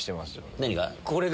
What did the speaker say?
何が？